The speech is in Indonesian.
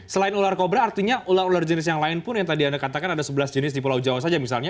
selain ular kobra artinya ular ular jenis yang lain pun yang tadi anda katakan ada sebelas jenis di pulau jawa saja misalnya